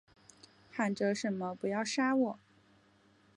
喊着什么不要杀我